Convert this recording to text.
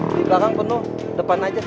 di belakang penuh depan aja